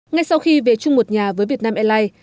ngay sau khi về chung một nhà với vietnam airlines